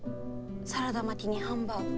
サラダ巻きにハンバーグ。